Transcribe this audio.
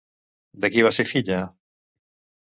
De qui va ser filla?